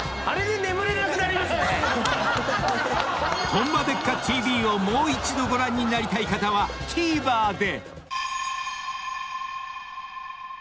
［『ホンマでっか⁉ＴＶ』をもう一度ご覧になりたい方はＴＶｅｒで！］